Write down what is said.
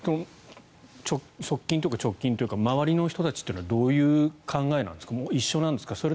側近というか周りの人たちというのはどういう考えなんですか。